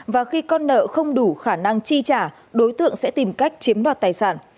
và khi con nợ không đủ khả năng chi trả đối tượng sẽ tìm cách chiếm đoạt tài sản